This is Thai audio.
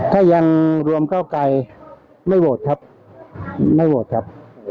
ถ้ายังรวมเก้าไกรไม่โหวตครับไม่โหวตครับ